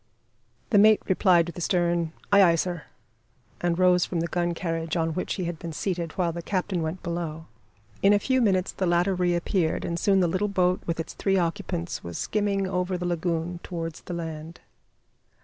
The mate replied with a stern "Ay, ay, sir," and rose from the gun carriage on which he had been seated, while the captain went below. In a few minutes the latter reappeared, and soon the little boat with its three occupants was skimming over the lagoon towards the land.